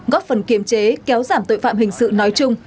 góp phần kiềm chế kéo giảm tội phạm hình sự nói chung